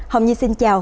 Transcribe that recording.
hồng nhi xin chào